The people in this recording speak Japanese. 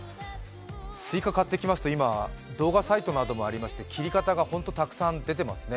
スイカ買ってきますと、今、動画サイトなどもありまして切り方がたくさん出てますね。